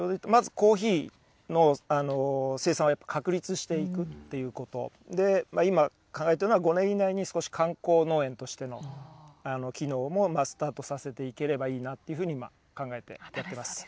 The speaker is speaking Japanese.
近い目標、まずコーヒーの生産を確立していくということ、今、考えているのは５年以内に少し観光農園としての機能もスタートさせていければいいなというふうに、今考えてやってます。